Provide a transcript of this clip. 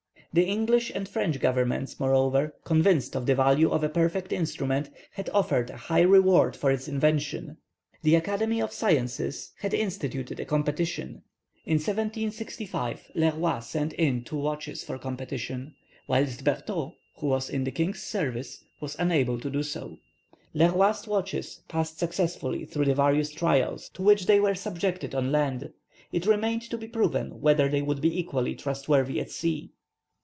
The English and French Governments, moreover, convinced of the value of a perfect instrument, had offered a high reward for its invention. The Academy of Science had instituted a competition. In 1765 Le Roy sent in two watches for competition, whilst Berthould, who was in the king's service, was unable to do so. Le Roy's watches passed successfully through the various trials to which they were subjected on land. It remained to be proved whether they would be equally trustworthy at sea.